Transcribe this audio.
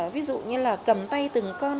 ví dụ như là cầm tay từng con